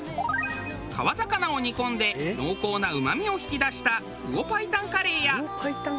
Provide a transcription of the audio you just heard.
川魚を煮込んで濃厚なうまみを引き出した魚白湯カレーや。